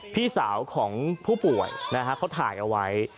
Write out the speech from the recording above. พี่สาวของผู้ป่วยนะฮะเขาถ่ายเอาไว้